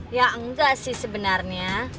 ya enggak sih sebenernya